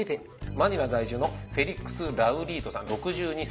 マニラ在住のフェリックス・ラウリートさん６２歳。